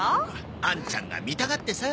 あんちゃんが見たがってさ。